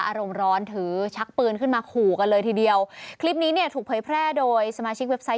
อารมณ์ร้อนถือชักปืนขึ้นมาขู่กันเลยทีเดียวคลิปนี้เนี่ยถูกเผยแพร่โดยสมาชิกเว็บไซต์